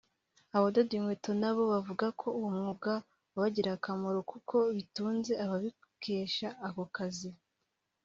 Abadoda inkweto na bo bavuga ko uwo mwuga wabagiriye akamaro kuko bitunze babikesha ako kazi